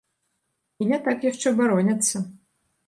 І не так яшчэ бароняцца.